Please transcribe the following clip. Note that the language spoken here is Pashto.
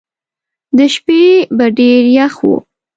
د شپې به ډېر یخ وو.